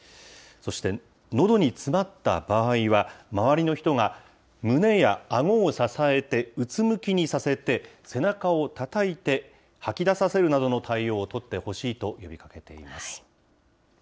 そして、のどに詰まった場合は、周りの人が胸やあごを支えて、うつむきにさせて、背中をたたいて吐き出させるなどの対応を取ってほしいと呼びかけ